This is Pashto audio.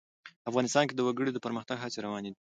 افغانستان کې د وګړي د پرمختګ هڅې روانې دي.